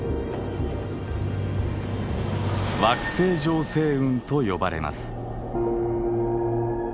惑星状星雲と呼ばれます。